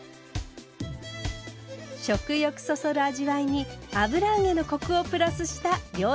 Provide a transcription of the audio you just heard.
食欲そそる味わいに油揚げのコクをプラスした料理キット。